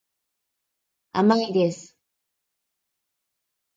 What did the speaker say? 甘いです。